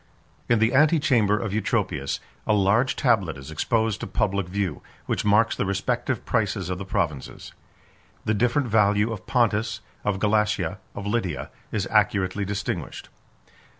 In the antechamber of Eutropius, a large tablet is exposed to public view, which marks the respective prices of the provinces. The different value of Pontus, of Galatia, of Lydia, is accurately distinguished.